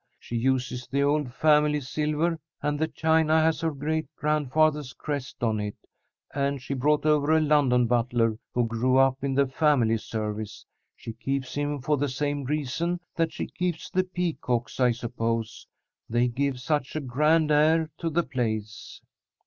She uses the old family silver and the china has her great grandfather's crest on it, and she brought over a London butler who grew up in the family service. She keeps him for the same reason that she keeps the peacocks, I suppose. They give such a grand air to the place.